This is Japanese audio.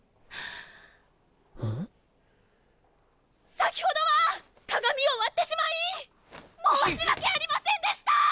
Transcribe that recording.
先ほどは鏡を割ってしまい申し訳ありませんでした‼